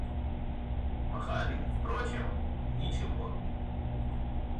Пахали, впрочем, ничего.